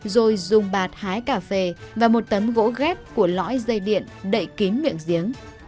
rồi dùng bạt hái cà phê và một tấn gỗ ghép của lõi dây điện đậy kín miệng giếng